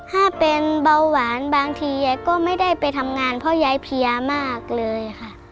ถ้าเป็นเบาหวานบางทียายก็ไม่ได้ไปทำงานเพราะยายเพียมากเลยค่ะ